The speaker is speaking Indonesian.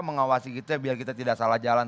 mengawasi kita biar kita tidak salah jalan